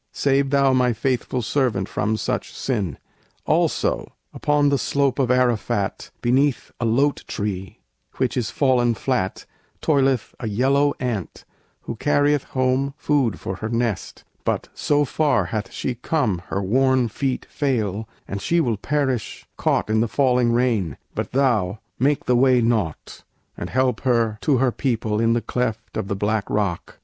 Save thou My faithful servant from such sin. "Also, upon the slope of Arafat, Beneath a lote tree which is fallen flat, Toileth a yellow ant who carrieth home Food for her nest, but so far hath she come Her worn feet fail, and she will perish, caught In the falling rain; but thou, make the way naught And help her to her people in the cleft Of the black rock."